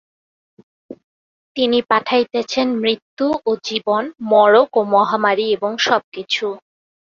তিনি পাঠাইতেছেন মৃত্যু ও জীবন, মড়ক ও মহামারী এবং সবকিছু।